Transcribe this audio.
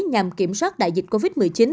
nhằm kiểm soát đại dịch covid một mươi chín